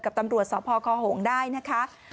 ตำรวจสพคหงษ์ได้นะคะ